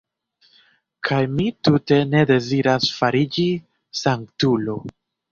Kaj mi tute ne deziras fariĝi sanktulo!